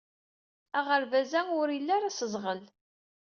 Aɣerbaz-a ur ili ara asseẓɣel.